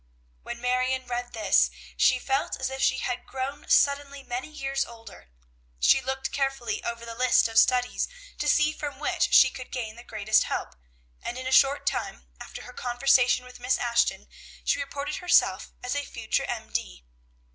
When Marion read this, she felt as if she had grown suddenly many years older. She looked carefully over the list of studies, to see from which she could gain the greatest help, and in a short time after her conversation with Miss Ashton she reported herself as a future M.D.